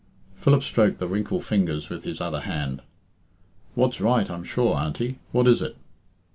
Philip stroked the wrinkled fingers with his other hand. "What's right, I'm sure, Auntie. What is it?"